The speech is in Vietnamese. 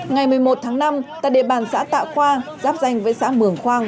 ngày một mươi một tháng năm tại địa bàn xã tạ khoa giáp danh với xã mường khoang